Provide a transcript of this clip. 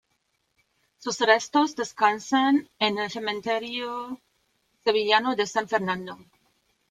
Sus restos descansan en el cementerio sevillano de San Fernando.